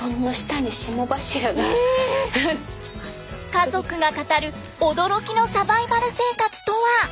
家族が語る驚きのサバイバル生活とは？